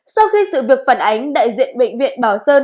sau khi sự việc phản ánh đại diện bệnh viện bảo sơn